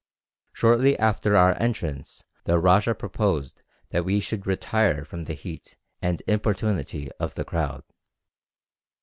Shortly after our entrance the rajah proposed that we should retire from the heat and importunity of the crowd.